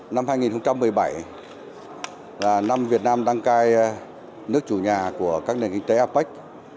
năm hai nghìn một mươi bảy là năm việt nam đăng cai nước chủ nhà của các nền kinh tế apec